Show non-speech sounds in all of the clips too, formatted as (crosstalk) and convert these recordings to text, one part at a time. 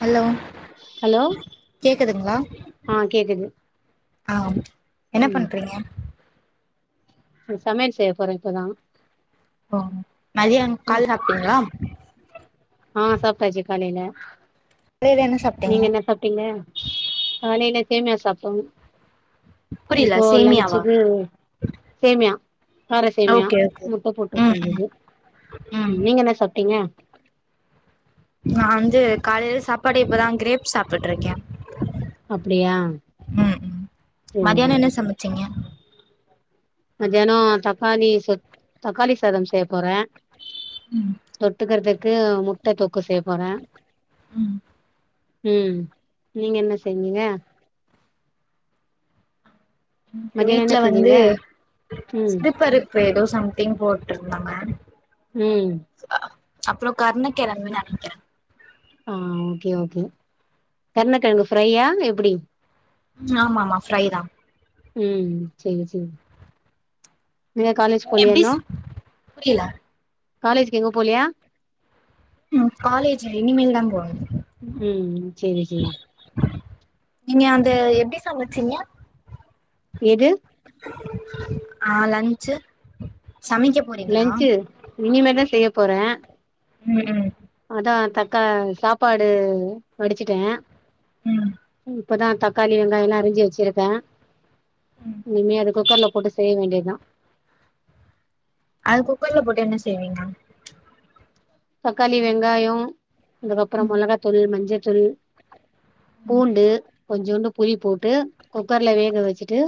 hello hello கேக்குதுங்களா ஆ கேக்குது ஆ என்ன ம் பண்றீங்க சமையல் செய்ய போறேன் இப்பதான் ஓ மதியம் ம் கால்ல சாப்டீங்களா ஆ சாப்ட்டாச்சு காலையில காலைல என்ன சாப்ட்டீங்க நீங்க என்ன சாப்ட்டீங்க காலையில சேமியா சாப்டோம் புரியல இப்போ சேமியாவா லஞ்சுக்கு சேமியா கார சேமியா ஓகே ஓகே முட்ட போட்டு ம் ம் செஞ்சது ம் நீங்க என்ன சாப்ட்டீங்க நான் வந்து காலையில சாப்பாடு இப்பதான் கிரேப் சாப்ட்டுட்டு இருக்கேன் அப்டியா ம் ம் செரி மதியானம் செரி என்ன சமச்சீங்க மத்தியானோ தக்காளி சொ தக்காளி சாதம் செய்ய போறேன் ம் தொட்டுக்கிறதுக்கு முட்ட தொக்கு செய்ய போறேன் ம் நீங்க என்ன செஞ்சீங்க மதியானோ என்ன வீட்டு்ல வந்து செஞ்சீங்க ம் சிறுப்பருப்பு ஏதோ சம்திங் போட்டு இருந்தங்க ம் அப்றோ கர்ண கிழங்கன்னு நெனைக்கிறேன் ஆ ஓகே ஓகே கர்ண்ணக்கிழங்கு ஃப்ரையா எப்டி ஆமா ஆமா ஃப்ரை தான் ம் செரி செரி நீங்க காலேஜ் போலியா இன்னு புரியல காலேஜ்க்கு இன்னு போலியா ம் காலேஜ் இனிமேல் தான் போவ ம் சேரி சேரி நீங்க அந்த எப்டி சமச்சீங்க எது ஆ லஞ்சு சமிக்கப் லஞ்சு இனிமே தான் செய்ய போறேன் ம் ம் அதான் தக்கா சாப்பாடு வடிச்சுட்டேன் ம் இப்போ தான் தக்காளி வெங்காயம் எல்லாம் அரிஞ்சு வெச்சுருக்கேன் இனிமே அது குக்கரில போட்டு செய்ய வேண்டியது தான் அது குக்கர்ல போட்டு என்ன செய்வீங்க தக்காளி வெங்காயோ அதுக்கப்பறம் ம் மொளகாத்தூள் மஞ்சத்தூள் பூண்டு கொஞ்சோன்டு புளி போட்டு குக்கர்ல வேக வெச்சுட்டு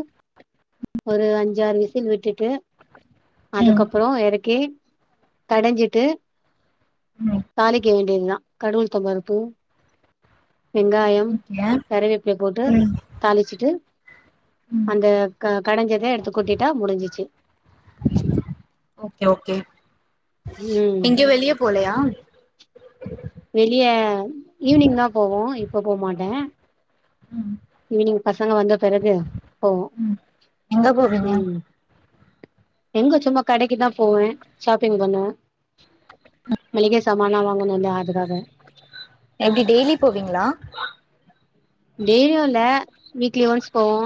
ஒரு அஞ்சாறு வீசில் விட்டுட்டு ம் அதுக்கப்றோ எறக்கி கடஞ்சிட்டு ம் தாளிக்க வேண்டியது தான் கடு உழுதம் பருப்பு வெங்காயம் ஓகே கருவேப்பில போட்டு ம் தாளிச்சிட்டு ம் அந்த கடஞ்சத எடுத்து கொட்டிட்டா முடிஞ்சிச்சு ஓகே ஓகே ம் இங்க வெளியே போலையா வெளிய ஈவினிங் தான் போவோ இப்ப போமாட்டேன் ம் ஈவினிங் பசங்க வந்த பிறகு போவோ எங்க போவீங்க ம் எங்க சும்மா கடைக்குதான் போவேன் ஷாப்பிங் பண்ணுவேன் மளிக சமானோ வாங்கணு இல்ல அதுக்காக எப்டி டெய்லி போவீங்ளா டெய்லியும் இல்ல வீக்லி ஒன்ஸ் போவோ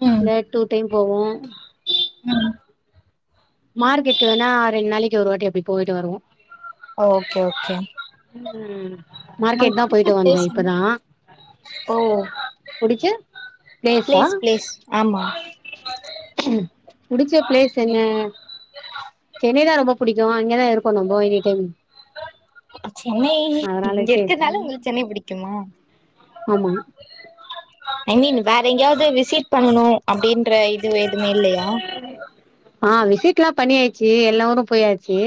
ம் இல்ல டூ டைம் போவோம் ம் மார்க்கெட் வேணா ரெண்டு நாளைக்கு ஒரு வாட்டி அப்டி போயிட்டு வருவோம் ஓகே ஓகே ம் மார்க்கெட் உங்களுக்கு தான் புடிச்ச போய்ட்டு பிளேஸ் வந்தேன் என்ன இப்பதான் ஓ ப்ளேஸ் ப்ளேஸ் ஆமா ம் புடிச்ச ப்ளேஸ் என்ன சென்னை தான் ரொம்ப புடிக்கும் அங்க தான் இருப்போம் நம்ப எனி டைம் சென்னை அதனால இங்க சேரி இருக்றதுனால உங்ளுக்கு சென்னை பிடிக்குமா ஆமா ஐ மீன் வேற எங்கயாவது விசிட் பண்ணணோ அப்டின்ற இது எதுமே இல்லையா ஆ விசிட்லா பண்ணியாச்சு எல்லாரு போயாச்சு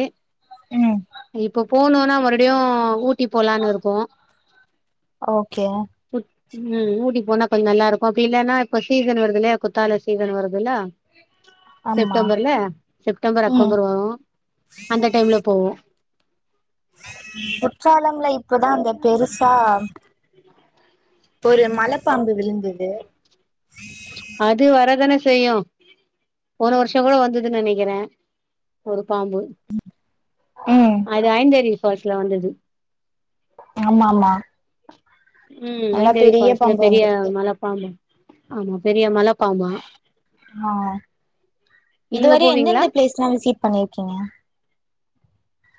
ம் இப்போ போனுனா மறுடியு ஊட்டி போலான்னு இருக்கோ ஓகே உ (unintelligible) ம் ஊட்டி போனா கொஞ்ச நல்லா இருக்கு அப்டி இல்லன்னா இப்ப சீசன் வருதுல்லையா குத்தால சீசன் வருதுல்ல ஆமா செப்டம்பர்ல செப்டம்பர் ம் அக்டோபர் வரும் அந்த டைம்ல போவோ குற்றாலம்ல இப்பதா அந்த பெருசா ஒரு மலப்பாம்பு விழுந்தது அது வரதானே செய்யு போன வருஷ கூட வந்தது நெனைக்கிறே ஒரு பாம்பு ம் அது ஐந்தேறி ஃபால்ஸ்ல வந்தது ஆமா ஆமா ம் நல்லா ஐந்தேரி பெரிய ஃபால்ஸ்ல பாம்பு பெரிய வந்திருக்கு மல பாம்பு ஆமா பெரிய மல பாம்பா ஆ இதுவரி போவீங்களா எந்தெந்த பிளேஸ்ல்லா விசிட் பண்ணிருகீங்க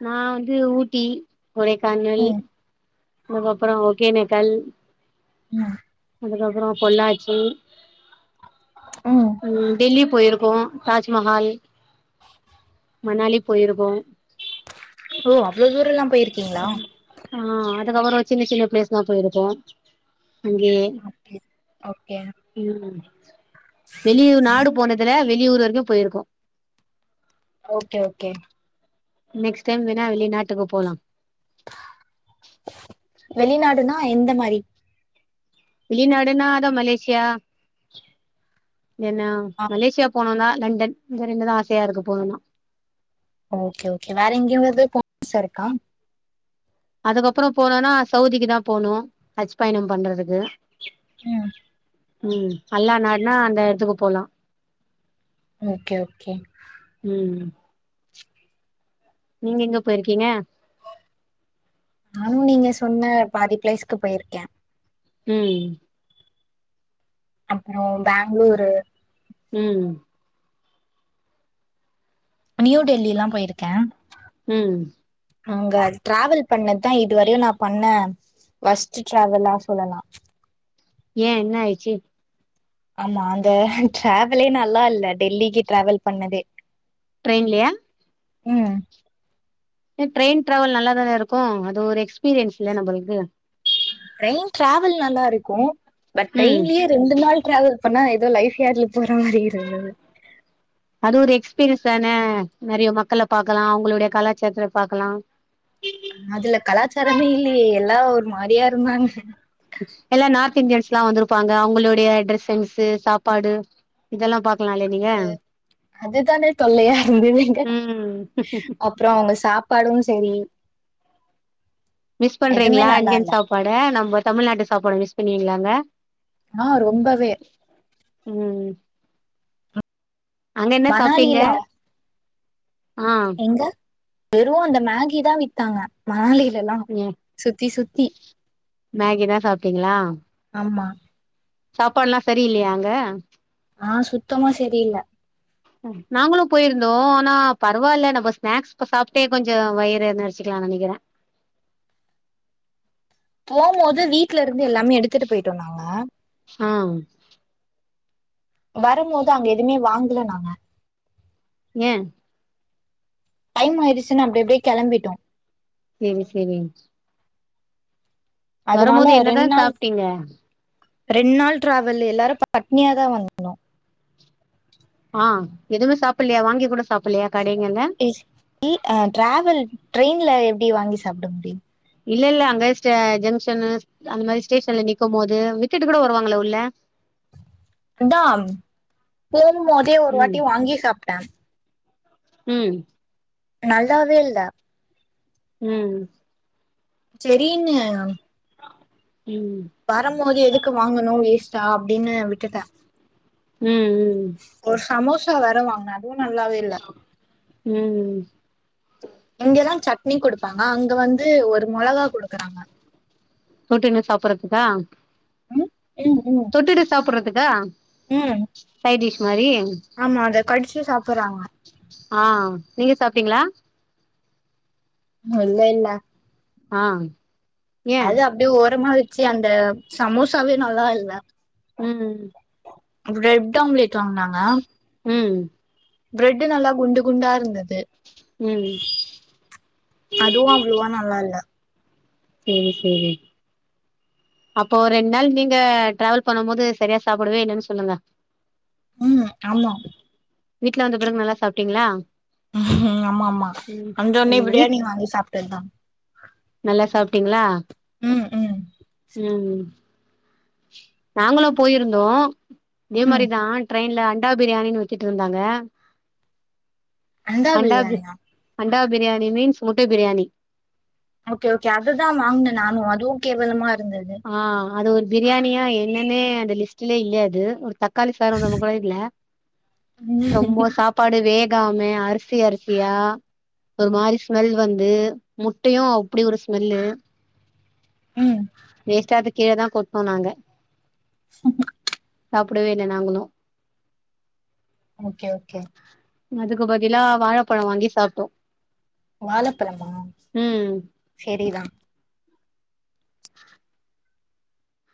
நா வந்து ஊட்டி கொடைக்கானல் ம் அதுக்கப்பற ஒகேனக்கல் ம் அதுக்கப்பறோ பொள்ளாச்சி ஆ ம் டெல்லி போயிருக்கோ தாஜ்மஹால் மணாலி போயிருப்போம் ஓ அவ்ளோ தூரம்லா போயிருக் ம் ஆ அதுக்கப்பறோ சின்ன சின்ன பிளேஸ் தா போயிருக்கோ இங்கே அப்டி ஓகே உ வெளியு நாடு போனதுல வெளியூர் வரைக்கு பெயிருக்கோ ஓகே ஓகே நெக்ஸ்ட் டைம் வேணா வெளிநாட்டுக்கு போலா வெளிநாடுனா எந்த மாரி வெளிநாடுனா அதா மலேஷியா என்னா ஆ மலேஷியாப் போனோ னா லண்டன் இது ரெண்டு தா ஆசையா இருக்கு போனு தா ஓகே ஓகே வேற எங்கயாவது போ ஆச இருக்கா அதுக்கப்பரோ போனோம்னா சவுதிக்கு தா போணு ஹஜ் பயணம் பண்றதுக்கு ம் ம் அல்லா நாடுனா அந்த எடத்துக்கு போலா ஓகே ஓகே ம் நீங்க எங்க போயிருக்கீங்க நானு நீங்க சொன்ன பாதி பிளேஸ்க்கு போயிருக்கே ம் அப்ரோ பெங்களூரு ம் நியூ டெல்லி லா போயிருக்கே ம் அங்க ட்டிராவல் பண்ணதுதா இதுவரையு நா பண்ண வொர்ஸ்ட் ட்ராவல்லா சொல்லலா ஏ என்ன ஆயிடுச்சி ஆமா அந்த டிராவல்ல நல்லா இல்ல டெல்லிக்கு டிராவல் பண்ணதே ட்ரெயின்லயா ம் ஏ ட்ரெயின் ட்ராவல் நல்லாாதான இருக்கு அது ஒரு எக்ஸ்பீரியன்ஸ் இல்லயா நம்மளுக்கு டிரெயின் டிராவல் நல்லா இருக்கு பட் ம் ட்ரெயின்லேயே ரெண்டு நாள் ட்ராவல் பண்ணா ஏதோ லைஃப் ஏர்ல போற மாரி இருந்தது (unintelligible) அது ஒரு எக்ஸ்பீரியன்ஸ் தான நறைய மக்கள பாக்கலா அவங்களுடைய கலாச்சாரத்த பாக்கலா அதுல கலாச்சாரமே இல்லயே எல்லாரு ஒரு மாறியா இருந்தாங்க எல்லா நார்த் இந்தியன்ஸ் லா வந்திருப்பாங்க அவங்களுடைய ட்ரெஸ்சிங்சு சென்ஸ்ு சாப்பாடு இதெல்லா பாக்கலா இல்லே அ அதுதா தொல்லையா இருந்தது இங்க ம் அப்ரோ அவங்க சாப்பாடு சரி மிஸ் எதுவுமே பண்றீங்களா நல்லா இந்தியன் இல்ல சாப்பாட நம்ம தமிழ்நாட்டு சாப்பாட மிஸ் பண்றீங்களாங்க ஆ ரொம்பவே ம்ம் சாப்ட்டீங்க மணாலில ஆ வெறு அந்த மேகி தா வித்தாங்க மணாலிலலா ம் சுத்தி சுத்தி மேகி தா சாப்பிட்டீங்ளா ஆமாம்மா சாப்பாடுல்லா சரியில்லையா அங்க ஆ சுத்தமா சேரில்ல (unintelligible) நாங்களு போயிருந்தோ ஆனா பரவாயில்ல நம்ம ஸ்நாக்ஸ் சாப்டே கொஞ்ச வயிறு நறைசிக்கலா நனைக்கிற எல்லாரு போது வீட்ல இருந்து எல்லாமே எடுத்துட்டு போயிட்டோ நாங்க ஆ வரம்போது அங்க எதுவுமே வாங்கல நானு ந டைம் ஆயிடுச்சின் அப்டி அப்டியே கிளம்பிட்டோ சேரி சேரி அதுனாலே வரும்போது ரெண் என்னதா நாள் சாப்ட்டீங்க ரெண் நாள் டிராவலூ எல்லாரு பட்னியா தா வந்தோ ஆ எதுமே சாப்பில்லயா வாங்கி கூட சாப்பில்லாயா கடைங்கல்ல இ ஆ டிராவல் ட்ரெயின்ல எப்டிச் வாங்கி சாப்ட முடியும் இல்ல இல்ல அங்க ஸ்ட ஜங்ஷனு அந்த மாதிரி ஸ்டேஷன்ல நிக்குபோது விடுட்டுவருவங்க கூட வருவாங்கள உள்ள இந்தா போகு போதே ஒரு வாட்டி ம் வாங்கி சாப்ட ம் நல்லாவே இல்ல ம் செரின்னு உம் வரும்போது எதுக்கு வாங்கணும் வேஸ்ட்டா அப்படின்னு விட்டுட்ட ம் ம் ஒரு சமோசா வேற வாங்ன அதுவு நல்லாவே இல்ல ம் ம் இங்கெல்லா சட்னி கொடுப்பாங்க அங்க வந்து ஒரு மொளகா கொடுக்கறாங்க ஷுட்டிங்ல சாப்பட்றதுக்கா ம் ம் ம் தொட்டுட்டு சாப்பட்றதுக்கா ம் சைடிஷ் மாரி ஆமா அத கடிச்சு சாப்பட்றாங்க ஆ நீங்க சாப்ட்டீங்களா இன்னு இல்ல இல்ல ஆ ஏ அது அப்டியே ஓரமா வெச்சு அந்த சமோசாவே நல்லா இல்ல ம் ப்ரெட் ஆம்லெட் வாங்குனாங்க ம் பிரெட்டு நல்லா குண்டு குண்டா இருந்துது ம் அதுவு அவ்ளோவா நல்லால்ல சேரி சேரி அப்போ ரெண்டு நாள் நீங்க டிராவல் பண்ணும் போது சரியா சாப்புடவே இல்லன்னு சொல்லுங்க ம் ஆமா வீட்ல வந்த பிறகு நல்லா சாப்டீங்களா ம் ஆமா ஆமா வந்தொன்னே ம் வீட் பிரியாணி வாங்கி சாப்டதுதா நல்லா சாப்டீங்களா ம் ம் ம் ம் நாங்களு போயிருந்தோ இதே ம் மாரிதா ட்ரெயின்ல அண்டா பிரியாணின்னு வித்துட்ருந்தாங்க அண்டா பிரி அண்டா பிரியாணி மீன்ஸ் முட்ட பிரியாணி ஓகே ஓகே அதுதா வாங்குன நானு அதுவு கேவலமா இருந்துது ஆ அது ஒரு பிரியாணியா என்னன்னே அந்த லிஸ்ட்டுலே இல்ல அது ஒரு த தக்காளி சாதம் கூட இல்ல ம் ரொம்ப சப் சாப்பாடு வேகாம அரிசி அரிசியா ஒரு மாரி ஸ்மெல் வந்து முட்டையு அப்டி ஒரு ஸ்மெல்லு ம் வேஸ்ட்டா அத கீழதா கொட்னோ நாங்க சாப்படவே இல்ல நாங்களு ஓகே ஓகே அதுக்கு பதிலா வாழப்ழோ வாங்கி சாப்டோ வாழப்பழமா ம் செரிதா